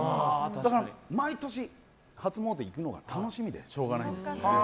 だから、毎年初詣行くのが楽しみでしょうがない。